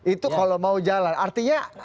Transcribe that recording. itu kalau mau jalan artinya